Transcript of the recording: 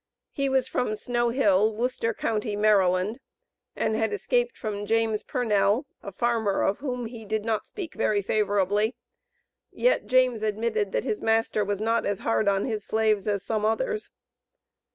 He was from Snowhill, Worcester county, Md., and had escaped from James Purnell, a farmer of whom he did not speak very favorably. Yet James admitted that his master was not as hard on his slaves as some others.